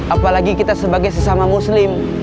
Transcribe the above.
apalagi kita sebagai sesama muslim